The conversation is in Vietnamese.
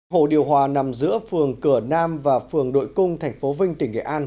hồ điều hòa nằm giữa phường cửa nam và phường đội cung thành phố vinh tỉnh nghệ an